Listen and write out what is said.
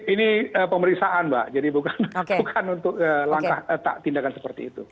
ini pemeriksaan mbak jadi bukan untuk langkah tindakan seperti itu